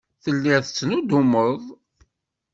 Telliḍ tettnuddumeḍ.